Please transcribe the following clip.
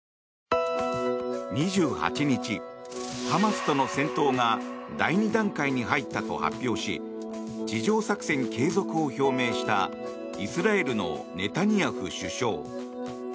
２８日、ハマスとの戦闘が第２段階に入ったと発表し地上作戦継続を表明したイスラエルのネタニヤフ首相。